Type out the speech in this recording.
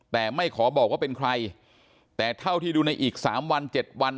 แต่ไม่ขอบอกว่าเป็นใครแต่เท่าที่ดูในอีกสามวันเจ็ดวัน